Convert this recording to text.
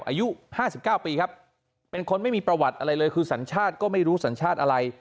อายุ๕๙ปีครับเป็นคนไม่มีประวัติอะไรเลยคือสัญชาติก็ไม่รู้สัญชาติอะไร